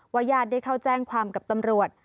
ญาติได้เข้าแจ้งความกับตำรวจ